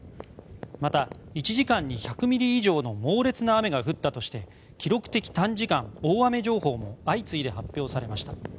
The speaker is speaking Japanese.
また、１時間に１００ミリ以上の猛烈な雨が降ったとして記録的短時間大雨情報も相次いで発表されました。